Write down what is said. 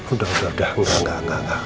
udah udah udah enggak enggak enggak